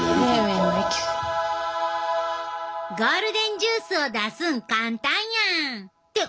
ゴールデンジュースを出すん簡単やん！って思った人もおるやろ？